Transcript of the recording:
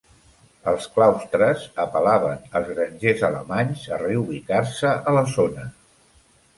Els claustres apel·laven als grangers alemanys a reubicar-se a la zona.